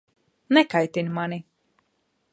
Nekaitini mani!